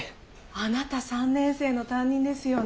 あなた３年生の担任ですよね？